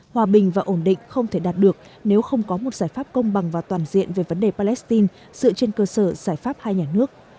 hòa bình và ổn định không thể đạt được nếu không có một giải pháp công bằng và toàn diện về vấn đề palestine dựa trên cơ sở giải pháp hai nhà nước